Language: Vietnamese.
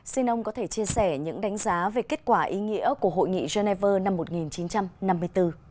xin ông có thể chia sẻ những đánh giá về kết quả ý nghĩa của hội nghị geneva năm một nghìn chín trăm năm mươi bốn